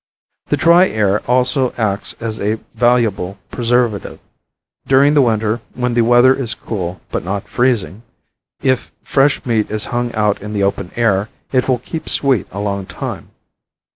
The dry air also acts as a valuable preservative. During the winter, when the weather is cool but not freezing, if fresh meat is hung out in the open air, it will keep sweet a long time.